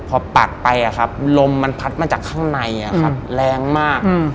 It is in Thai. พอปัดไปอะครับลมมันพัดมาจากข้างในอะครับแรงมาก